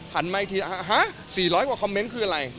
หันไม้ทีฮะสี่ร้อยกว่าคอมเมนต์คืออะไร